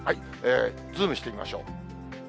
ズームしてみましょう。